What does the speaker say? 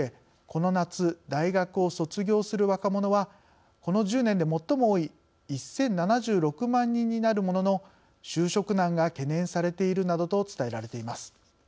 この夏、大学を卒業する若者はこの１０年で最も多い１０７６万人になるものの就職難が懸念されているなどと伝えられています。